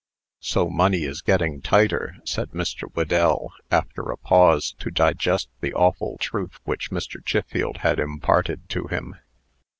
"So money is getting tighter?" said Mr. Whedell, after a pause to digest the awful truth which Mr. Chiffield had imparted to him.